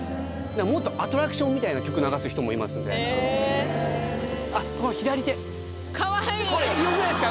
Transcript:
もっとアトラクションみたいな曲流す人もいますんであっこの左手これよくないっすか？